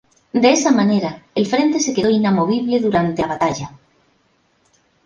De esa manera el frente se quedó inamovible durante la batalla.